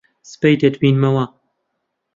سبەی دەتبینینەوە.